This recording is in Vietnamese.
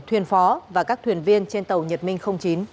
thuyền phó và các thuyền viên trên tàu nhật minh chín